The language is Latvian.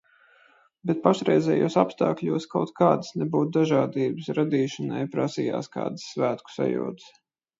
Bet pašreizējos apstākļos kaut kādas nebūt dažādības radīšanai prasījās kādas svētku sajūtas.